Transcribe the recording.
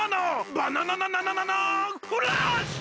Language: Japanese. バナナナナナナナーンフラッシュ！